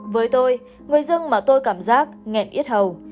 với tôi người dân mà tôi cảm giác nghẹn ít hầu